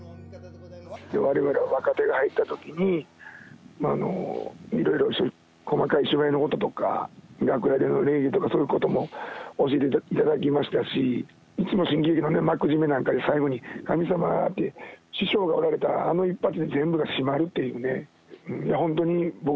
われわれ若手が入ったときに、いろいろ細かい芝居のこととか、楽屋での礼儀とか、そういうことも教えていただきましたし、私、いつも新喜劇の幕締めなんかに、最後、神様ーって、師匠がおられたあの一発で全部が締まるっていうね。